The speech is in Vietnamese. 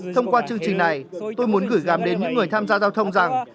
thông qua chương trình này tôi muốn gửi gắm đến những người tham gia giao thông rằng